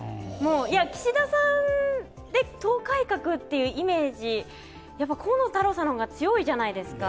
岸田さんで党改革っていうイメージ河野太郎さんの方が強いじゃないですか。